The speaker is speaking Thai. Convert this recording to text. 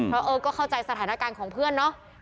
เพราะเออก็เข้าใจสถานการณ์ของเพื่อนเนาะ